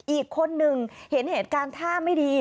อีกคนหนึ่งเห็นเหตุการณ์ท่าไม่ดี